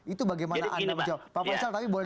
itu bagaimana anda menjawab pak faisal tapi boleh